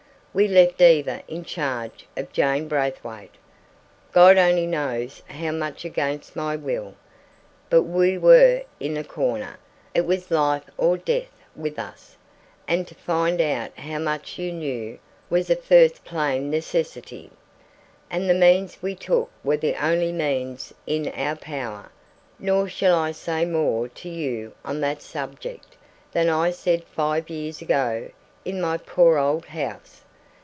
We left Eva in charge of Jane Braithwaite, God only knows how much against my will, but we were in a corner, it was life or death with us, and to find out how much you knew was a first plain necessity. And the means we took were the only means in our power; nor shall I say more to you on that subject than I said five years ago in my poor old house.